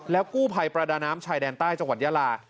กู้ภัยประดาน้ำชายแดนใต้จังหวัดยาลา